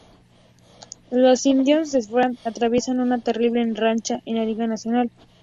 Los Indians de Cleveland atraviesan una terrible racha en la liga nacional.